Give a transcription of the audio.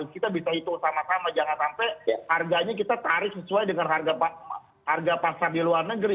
kita bisa hitung sama sama jangan sampai harganya kita tarik sesuai dengan harga pasar di luar negeri